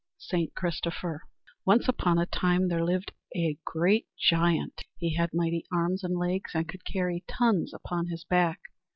St Christopher Once upon a time there lived a great giant. He had mighty arms and legs and could carry tons upon his back.